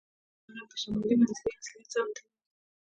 دا غږ د شمالي منظرې اصلیت ثابتوي